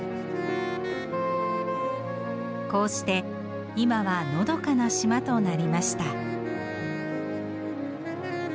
こうして今はのどかな島となりました。